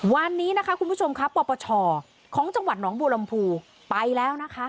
วันนี้นะคะคุณผู้ชมครับปปชของจังหวัดหนองบัวลำพูไปแล้วนะคะ